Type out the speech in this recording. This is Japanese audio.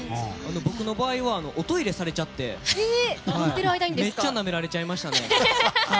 僕の場合はおトイレされちゃってめっちゃなめられちゃいましたね。